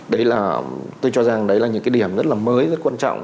đấy là tôi cho rằng đấy là những cái điểm rất là mới rất quan trọng